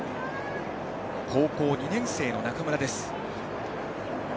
高校２年生の仲村です。